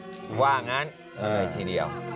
หรือว่างั้นอะไรทีเดียว